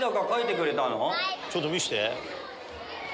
ちょっと見して。